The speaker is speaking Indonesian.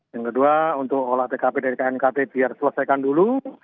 yang kedua untuk olah tkp dari knkt biar selesaikan dulu